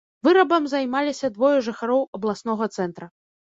Вырабам займаліся двое жыхароў абласнога цэнтра.